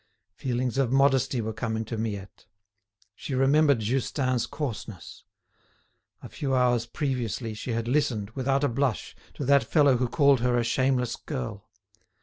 Feelings of modesty were coming to Miette. She remembered Justin's coarseness. A few hours previously she had listened, without a blush, to that fellow who called her a shameless girl.